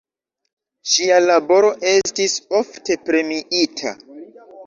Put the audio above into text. Ŝia laboro estis ofte premiita.